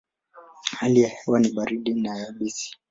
Hali ya hewa ni baridi na yabisi.